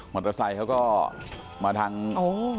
เตอร์ไซค์เขาก็มาทางโอ้